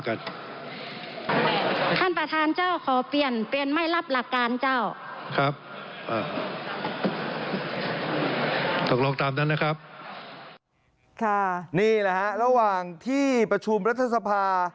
ท่านประธานเจ้าขออนุญาตเจ้า